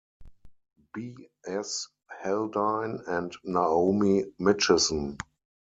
B. S. Haldane and Naomi Mitchison.